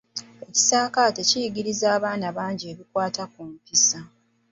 Ekisaakate kiyigirizza abaana bangi ebikwata ku mpisa.